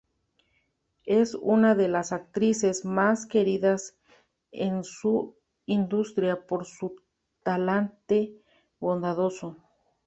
Es una de las actrices más queridas en su industria, por su talante bondadoso.